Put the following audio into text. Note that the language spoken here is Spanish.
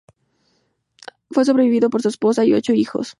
Fue sobrevivido por su esposa y ocho hijos.